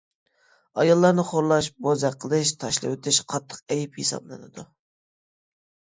ئاياللارنى خورلاش، بوزەك قىلىش، تاشلىۋېتىش قاتتىق ئەيىب ھېسابلىنىدۇ.